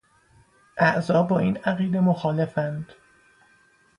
اعضا با این عقیده مخالفند.